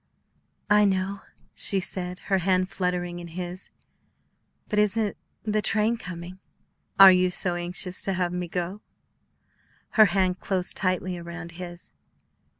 "I know," she said, her hand fluttering in his; "but isn't the train coming?" "Are you so anxious to have me go?" Her hand closed tightly around his.